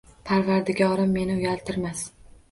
Parvardigorim meni uyaltirmas.